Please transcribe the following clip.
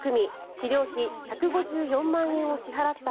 治療費１５４万円を支払った